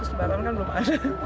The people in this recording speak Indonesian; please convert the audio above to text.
terus di batam kan belum ada